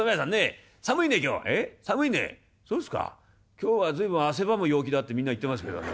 今日は随分汗ばむ陽気だってみんな言ってますけどね。